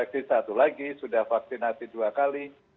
apakah kamu ngerti apa aparibu lainnya